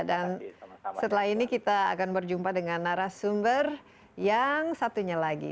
dan setelah ini kita akan berjumpa dengan narasumber yang satunya lagi